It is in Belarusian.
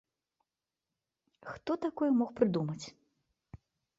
Хто такое мог прыдумаць?